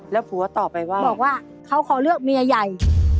แล้วผัวตอบไปว่าบอกว่าเขาขอเลือกเมียใหญ่